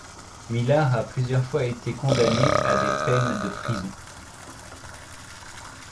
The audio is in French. Millar a plusieurs fois été condamné à des peines de prisons.